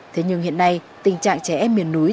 thế nhưng hiện nay tình trạng trẻ em miền núi